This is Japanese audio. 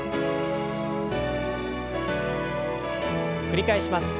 繰り返します。